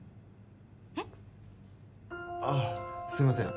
えっ？あっすみません。